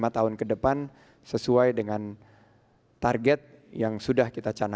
lima tahun ke depan sesuai dengan target yang sudah kita canakan